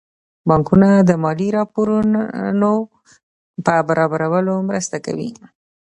بانکونه د مالي راپورونو په برابرولو کې مرسته کوي.